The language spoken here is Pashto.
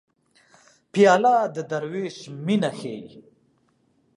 پیاله د دروېش مینه ښيي.